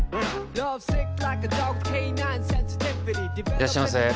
いらっしゃいませ。